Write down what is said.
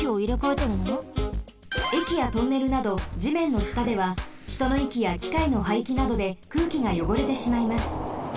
えきやトンネルなどじめんのしたではひとのいきやきかいのはいきなどで空気がよごれてしまいます。